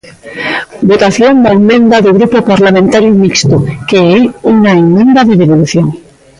Votación da emenda do Grupo Parlamentario Mixto, que é unha emenda de devolución.